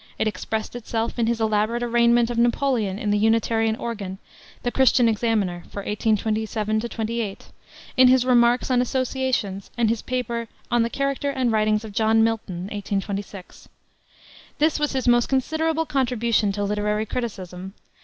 It expressed itself in his elaborate arraignment of Napoleon in the Unitarian organ, the Christian Examiner, for 1827 28; in his Remarks on Associations, and his paper On the Character and Writings of John Milton, 1826. This was his most considerable contribution to literary criticism.